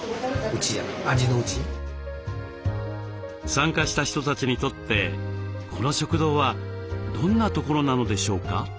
参加した人たちにとってこの食堂はどんなところなのでしょうか？